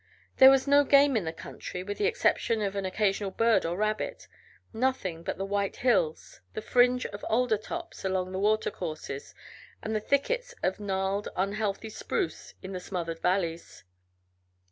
There was no game in the country, with the exception of an occasional bird or rabbit, nothing but the white hills, the fringe of alder tops along the watercourses, and the thickets of gnarled, unhealthy spruce in the smothered valleys.